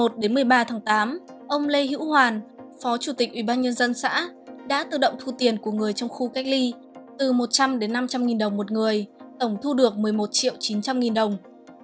từ một mươi một một mươi ba tháng tám ông lê hữu hoàn phó chủ tịch ủy ban nhân dân xã đã tự động thu tiền của người trong khu cách ly từ một trăm linh năm trăm linh đồng một người tổng thu được một mươi một chín trăm linh đồng